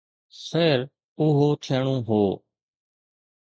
خير، اهو ٿيڻو هو.